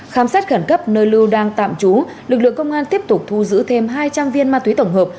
khám sát khẩn cấp nơi lưu đang tạm trú lực lượng công an tiếp tục thu giữ thêm hai trang viên ma túy tổng hợp